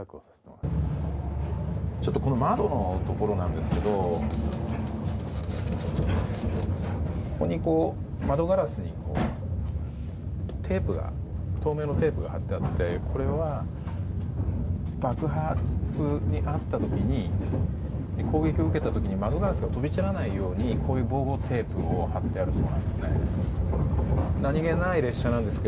窓のところなんですけど窓ガラスに透明のテープが貼ってあってこれは、爆発に遭った時攻撃を受けた時に窓ガラスが飛び散らないようにこういう防護テープを貼ってあるそうなんですね。